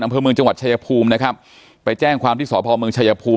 อำเภอเมืองจังหวัดชายภูมินะครับไปแจ้งความที่สพเมืองชายภูมิ